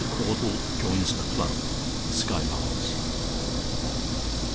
CAUDLE JOINS A CLUB "THE SKYLARKS."